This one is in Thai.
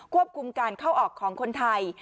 ควบคุมการเข้าออกของคนไทย